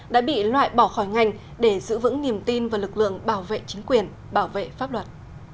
đã bị loại bỏ khỏi ngành để giữ vững niềm tin và lực lượng bảo vệ chính quyền bảo vệ pháp luật